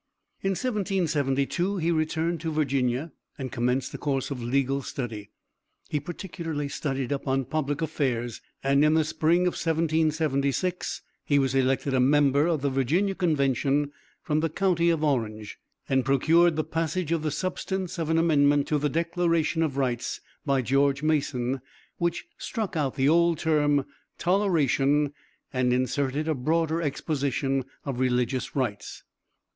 In 1772 he returned to Virginia and commenced a course of legal study. He particularly studied up on public affairs, and in the spring of 1776 he was elected a member of the Virginia convention from the county of Orange, and procured the passage of the substance of an amendment to the declaration of rights, by George Mason, which struck out the old term 'toleration' and inserted a broader exposition of religious rights.